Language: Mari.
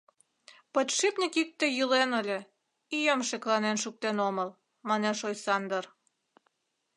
Подшипник икте йӱлен ыле, ӱйым шекланен шуктен омыл, — манеш Ойсандыр.